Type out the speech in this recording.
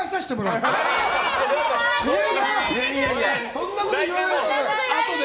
そんなこと言わないで！